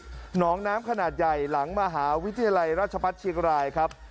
หนองน้ำขนาดใหญ่หลังมหาวิทยาลัยราชพัฒน์เชียงรายครับ